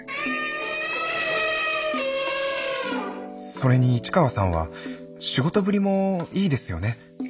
それに市川さんは仕事ぶりもいいですよね。